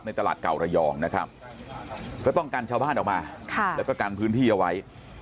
ตลาดเก่าระยองนะครับก็ต้องกันชาวบ้านออกมาแล้วก็กันพื้นที่เอาไว้